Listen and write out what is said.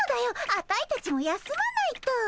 アタイたちも休まないと。